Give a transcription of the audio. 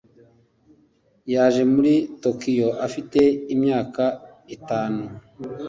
Yaje muri Tokiyo afite imyaka itatu.